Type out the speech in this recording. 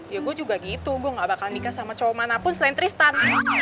ya gua juga gitu gua nggak bakal nikah sama cowok manapun selain tristan